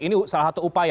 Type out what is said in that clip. ini salah satu upaya